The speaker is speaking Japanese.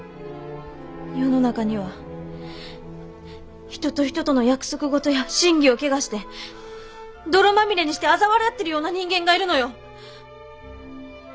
世の中には人と人との約束事や信義を汚して泥まみれにしてあざ笑ってるような人間がいるのよ！